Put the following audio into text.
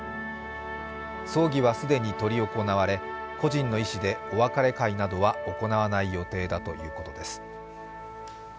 葬儀は既に執り行われ故人の遺志でお別れ会などは行わない予定だということです。